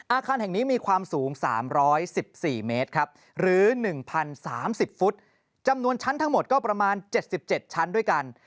อาคารแห่งนี้มีความสูง๓๑๔เมตรครับหรือ๑๐๓๐ฟุตจำนวนชั้นทั้งหมดก็ประมาณ๗๗ชั้นด้วยกัน